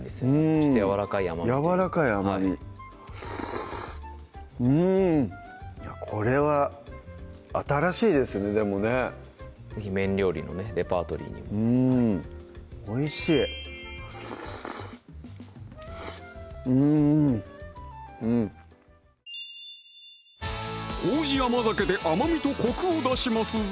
ちょっとやわらかい甘みというかやわらかい甘みうんこれは新しいですねでもね是非麺料理のレパートリーにもうんおいしいうんうん糀甘酒で甘みとコクを出しますぞ！